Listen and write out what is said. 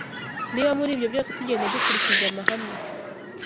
Niba muri ibyo byose tugenda dukurikiza amahame